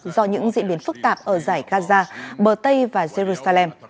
do những diễn biến phức tạp ở giải gaza bờ tây và jerusalem